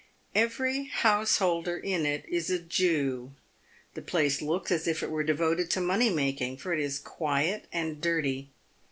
Every householder in it is a Jew. The place looks as if it were devoted to money making, for it is quiet and dirty.